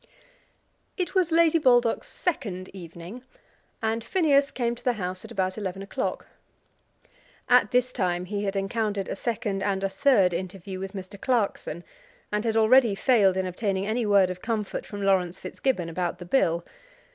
It was Lady Baldock's second evening, and Phineas came to the house at about eleven o'clock. At this time he had encountered a second and a third interview with Mr. Clarkson, and had already failed in obtaining any word of comfort from Laurence Fitzgibbon about the bill.